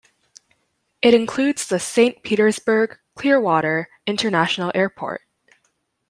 It includes the Saint Petersburg-Clearwater International Airport.